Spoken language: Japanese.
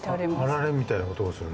あられみたいな音がする。